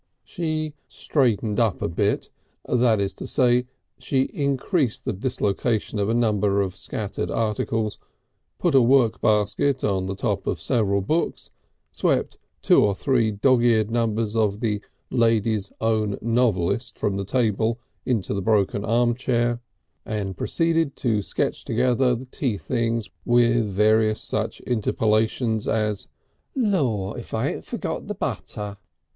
She "straightened up a bit," that is to say she increased the dislocation of a number of scattered articles, put a workbasket on the top of several books, swept two or three dogs' eared numbers of the Lady's Own Novelist from the table into the broken armchair, and proceeded to sketch together the tea things with various such interpolations as: "Law, if I ain't forgot the butter!"